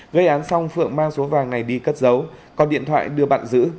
gây án xong phượng mang số vàng này đi cất giấu còn điện thoại đưa bạn giữ